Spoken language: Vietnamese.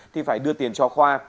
thì phải đưa tiền cho khoa